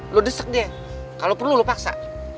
lo desek dia kalau perlu lo paksa